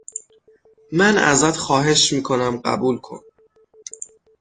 من ازت خواهش می کنم قبول کن